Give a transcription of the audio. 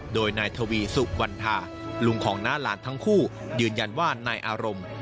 โดยนายทวีสุวรรณธาลุงของน้าหลานทั้งคู่ยืนยันว่านายอารมณ์